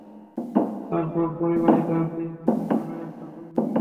তারপর পরিবাহী তার দিয়ে তৈরি করলেন একটা কুণ্ডলী।